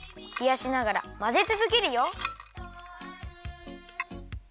ひやしながらまぜつづけるよ。